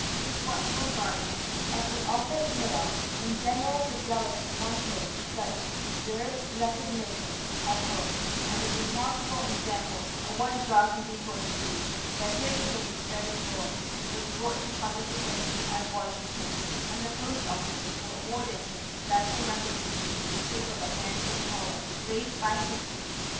whose watchful guardianship of the office mail and general fidelity won him such deserved recognition at home as a remarkable example of what a dog can be taught to do, that his fame spread abroad, was brought to public attention at Washington and the post office people awarded him special recognition in the shape of a handsome collar, raised by subscription.